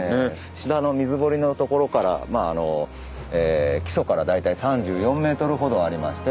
下の水堀のところからまああの基礎から大体３４ｍほどありまして。